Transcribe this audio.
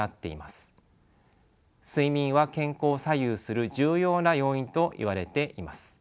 睡眠は健康を左右する重要な要因といわれています。